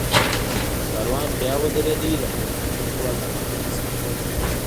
چې کاروان بیا ودرېد، د خپل موټر دروازه مې خلاصه کړه.